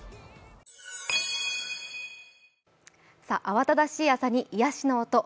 慌ただしい朝に癒やしの音